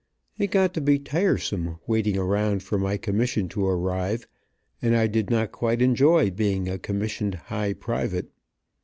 It got to be tiresome waiting around for my commission to arrive, and I did not quite enjoy being a commissioned high private.